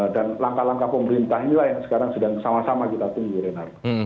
dan langkah langkah pemerintah inilah yang sekarang sedang sama sama kita tunggu renardo